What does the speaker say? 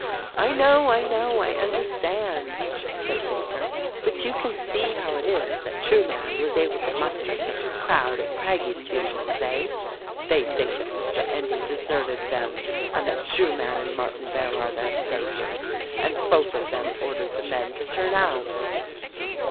"I know, I know, I understand !" said Baker ; "but you can see how it is that Trueman was able to muster such a crowd at Craggie's funeral today ; they think that Mr. Endy 282 THE RECORDING ANGEL deserted them and that Trueman and Martinvale are their saviours — and both of them ordered the men to turn out."